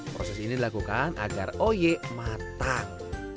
proses ini dilakukan agar oye matang